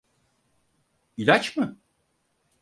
İlaç mı?